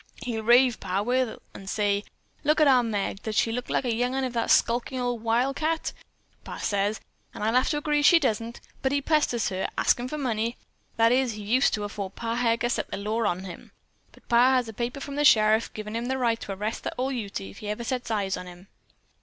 He'll rave, Pa will, an' say: 'Look at our Meg! Does she look like a young 'un of that skulkin' old wildcat?' Pa says, an' I have to agree she don't. But he pesters her, askin' for money. That is, he used to afore Pa Heger set the law on him. Pa has a paper from the sheriff, givin' him the right to arrest that ol' Ute if he ever sets eyes on him.